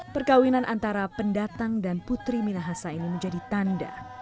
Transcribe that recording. perkawinan antara pendatang dan putri minahasa ini menjadi tanda